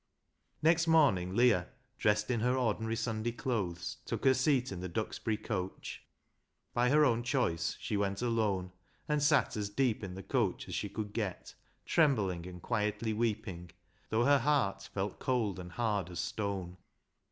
Next morning, Leah, dressed in her ordinary Sunday clothes, took her seat in the Duxbury coach. By her own choice she went alone, and sat as deep in the coach as she could get, trembling and quietly weeping, though her heart felt cold and hard as stone.